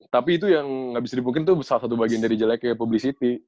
tapi itu yang gak bisa dipungkit tuh salah satu bagian dari jeleknya publicity